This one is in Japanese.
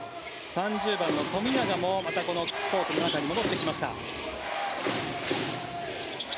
３０番の富永もまたこのコートの中に戻ってきました。